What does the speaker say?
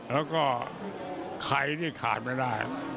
แล้วก็ใครที่ขาดไม่ได้